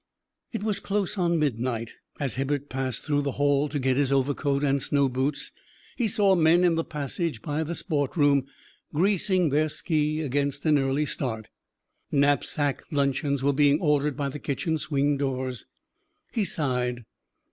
It was close on midnight. As Hibbert passed through the hall to get his overcoat and snow boots, he saw men in the passage by the "sport room," greasing their ski against an early start. Knapsack luncheons were being ordered by the kitchen swing doors. He sighed.